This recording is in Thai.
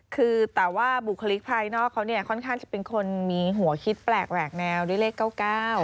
คือแต่ว่าบุคลิกภายนอกเขาเนี่ยค่อนข้างจะเป็นคนมีหัวคิดแปลกแหวกแนวด้วยเลขเก้าเก้า